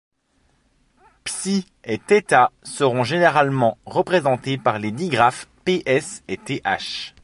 Psi et thêta seront généralement représentés par les digraphes ps et th.